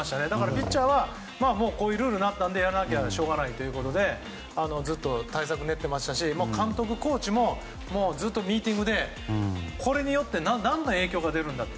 ピッチャーはこういうルールになったのでやらなきゃしょうがないということでずっと対策を練っていましたし監督、コーチもずっとミーティングでこれによって何の影響が出るんだと。